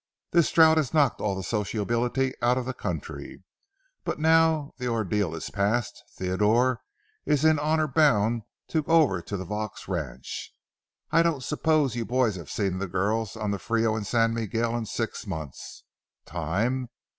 This drouth has knocked all the sociability out of the country; but now the ordeal is past, Theodore is in honor bound to go over to the Vaux ranch. I don't suppose you boys have seen the girls on the Frio and San Miguel in six months. Time?